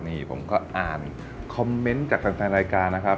นี่ผมก็อ่านคอมเมนต์จากแฟนรายการนะครับ